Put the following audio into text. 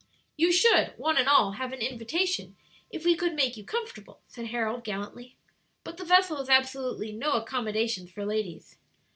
"You should, one and all, have an invitation if we could make you comfortable," said Harold, gallantly: "but the vessel has absolutely no accommodations for ladies."